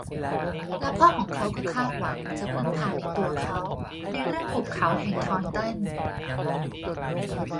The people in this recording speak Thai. และพ่อของเขาก็คาดหวังจะพึ่งพาตัวเขาในเรื่องหุบเขาแห่งทอนตัน